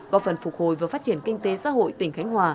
có phần phục hồi và phát triển kinh tế xã hội tỉnh khánh hòa